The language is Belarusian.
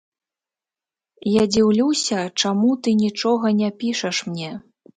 Я дзіўлюся, чаму ты нічога не пішаш мне.